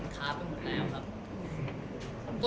ค้าไปหมดแล้วครับ